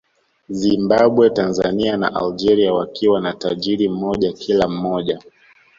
Zimbambwe Tanzania na Algeria wakiwa na tajiri mmoja kila mmoja